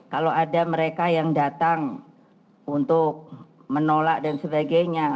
kalau ada mereka yang datang untuk menolak dan sebagainya